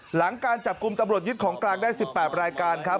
หลังการจับกลุ่มตำรวจยึดของกลางได้๑๘รายการครับ